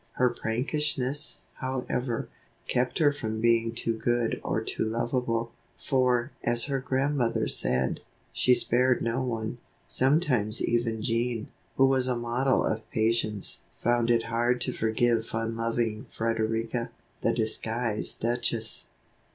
Her prankishness, however, kept her from being too good or too lovable; for, as her Grandmother said, she spared no one; sometimes even Jean, who was a model of patience, found it hard to forgive fun loving Frederika, the Disguised Duchess.